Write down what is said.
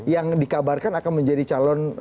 yang dikabarkan akan menjadi calon